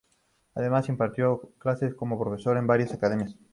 Además, impartió clases como profesor en varias academias.